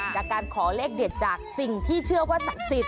จากการขอเลขเด็ดจากสิ่งที่เชื่อว่าศักดิ์สิทธิ